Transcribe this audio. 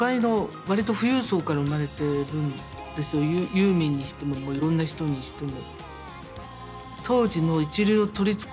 ユーミンにしてももういろんな人にしても。